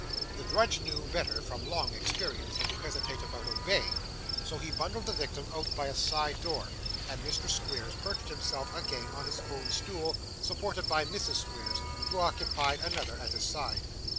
The drudge knew better from long experience, than to hesitate about obeying, so he bundled the victim out by a side door, and Mr. Squeers perched himself again on his own stool, supported by Mrs. Squeers, who occupied another at his side.